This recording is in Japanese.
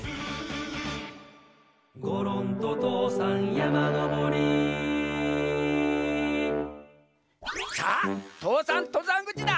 「ごろんととうさんやまのぼり」さあ父山とざんぐちだ。